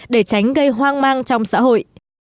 để tránh gây hoang mang trong xã hội